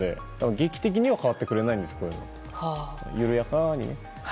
劇的には変わってくれないんですけど緩やかにね。